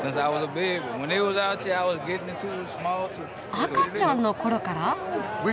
赤ちゃんの頃から！